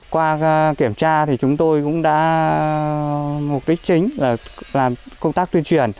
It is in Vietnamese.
qua kiểm tra thì chúng tôi cũng đã mục đích chính là công tác tuyên truyền